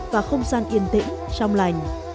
và không gian yên tĩnh trong lành